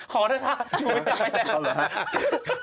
ขอเถอะครับ